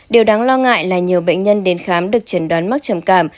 điều đáng lo ngại là nhiều bệnh nhân đến khám được chẩn đoán mắc trầm cảm